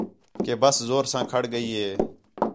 کہ بس زور ساں کھڑ ڳئی ہِے